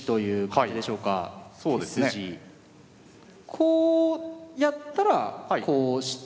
こうやったらこうして。